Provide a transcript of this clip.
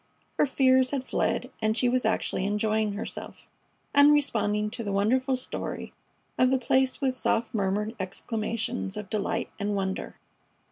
Her fears had fled and she was actually enjoying herself, and responding to the wonderful story of the place with soft murmured exclamations of delight and wonder.